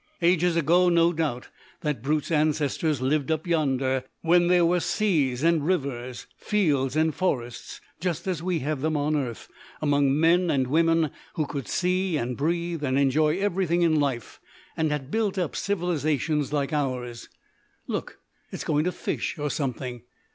"Ages ago, no doubt, that brute's ancestors lived up yonder when there were seas and rivers, fields and forests, just as we have them on earth, among men and women who could see and breathe and enjoy everything in life and had built up civilisations like ours! "Look, it's going to fish or something.